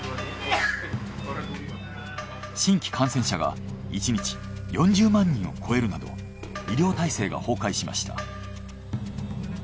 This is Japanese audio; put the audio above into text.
新規感染者が１日４０万人を超えるなど医療体制が崩壊しました。